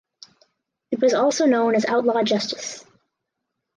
It was also known as Outlaw Justice.